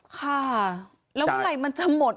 ค่ะแล้วเมื่อไหร่มันจะหมด